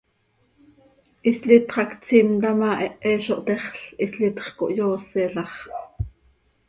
Hislitx hac tsimta ma, hehe zo htexl, hislitx cohyooselax.